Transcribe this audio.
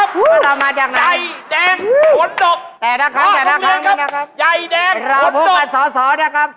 ทุกคนเข้าใจครับวะลงเรียนครับ